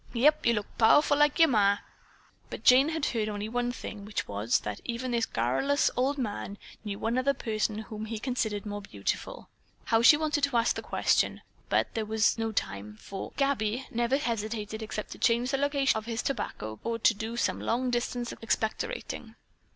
"Yep, you look powerful like your ma." But Jane had heard only one thing, which was that even this garrulous old man knew one other person whom he considered more beautiful. How she wanted to ask the question, but there was no time, for "Gabby" never hesitated except to change the location of his tobacco quid or to do some long distance expectorating.